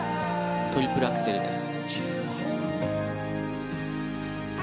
トリプルアクセルです。